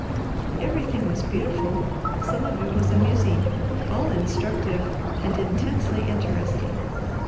Everything was beautiful, some of it was amusing, all instructive, and intensely interesting.